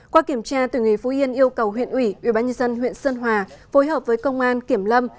qua kiểm tra tỉnh huyện phú yên yêu cầu huyện ủy ủy ban nhân dân huyện sơn hòa phối hợp với công an kiểm lâm